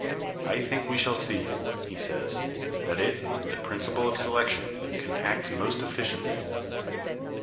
"I think we shall see," he says, "that it (the principle of selection) can act most efficiently.